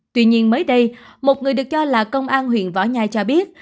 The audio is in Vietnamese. tuy nhiên mới đây một người được cho là công an huyện võ nhai cho biết